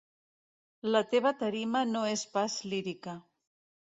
La teva tarima no és pas lírica.